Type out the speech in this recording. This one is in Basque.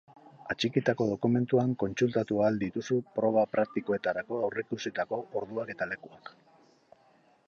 Atxikitako dokumentuan kontsultatu ahal dituzu proba praktikoetarako aurreikusitako orduak eta lekuak.